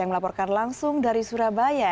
yang melaporkan langsung dari surabaya